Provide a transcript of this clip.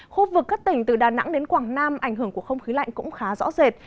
khu vực các tỉnh từ đà nẵng đến quảng nam ảnh hưởng của không khí lạnh cũng khá rõ rệt